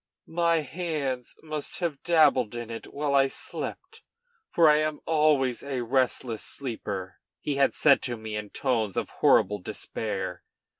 "My hands must have dabbled in it while I slept, for I am always a restless sleeper," he had said to me in tones of horrible despair.